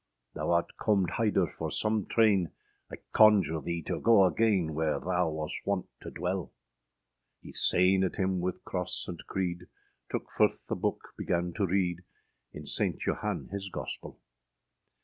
âThou art comed hider for sum trayne, I conjure thee to go agayne, Wher thou was wont to dwell.â He sainèd hym wyth crosse and creede, Tooke furth a booke, began to reade, In Ste Johan hys gospell.